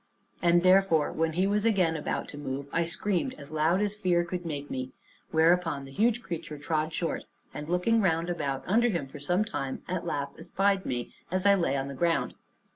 And therefore, when he was again about to move, I screamed as loud as fear could make me; whereupon the huge creature trod short, and looking round about under him for some time, at last espied me as I lay on the ground.